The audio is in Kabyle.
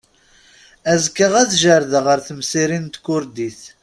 Azekka ad jerrdeɣ ar temsirin n tkurdit.